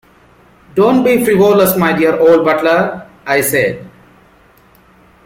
"Don't be frivolous, my dear old butler," I said.